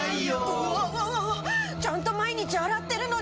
うわわわわちゃんと毎日洗ってるのに。